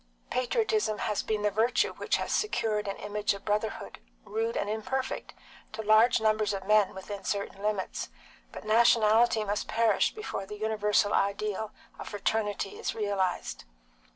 Patriotism has been the virtue which has secured an image of brotherhood, rude and imperfect, to large numbers of men within certain limits, but nationality must perish before the universal ideal of fraternity is realised.